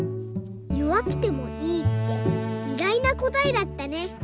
「よわくてもいい」っていがいなこたえだったね。